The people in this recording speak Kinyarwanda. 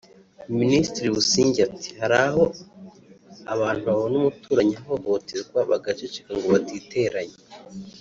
Minisitiri Busingye ati “Hari aho abantu babona umuturanyi ahohoterwa bagaceceka ngo batiteranya